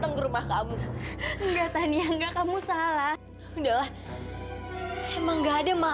tentu percayakan sama aida